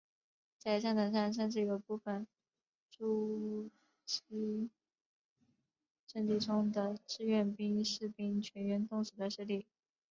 在战场上甚至有部分阻击阵地中的志愿兵士兵全员冻死的事例。